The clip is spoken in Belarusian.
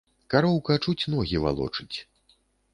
Кароўка чуць ногі валочыць.